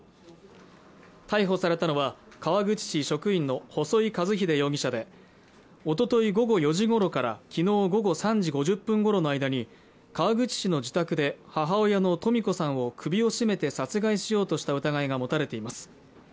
逮捕されたのは川口市職員の細井一英容疑者でおととい午後４時ごろからきのう午後３時５０分ごろの間に川口市の自宅で母親の登美子さんを首を絞めて殺害しようとした疑いが持たれています